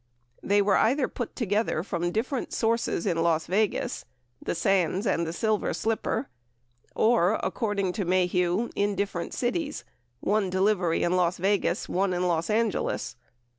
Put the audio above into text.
92 They were either put together from different sources in Las Vegas — the Sands and the Silver Slipper — or, according to Mahen, in different cities — one de livery in Las Vegas, one in Los Angeles.